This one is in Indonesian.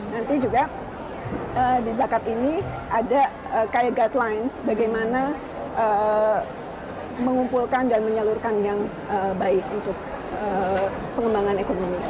nanti juga di zakat ini ada kayak guidelines bagaimana mengumpulkan dan menyalurkan yang baik untuk pengembangan ekonomi